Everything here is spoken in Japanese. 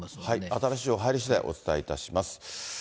新しい情報入りしだい、お伝えいたします。